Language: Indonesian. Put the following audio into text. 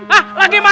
hah lagi marah